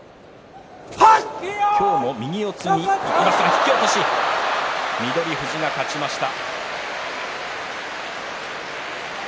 引き落とし翠富士が勝ちました。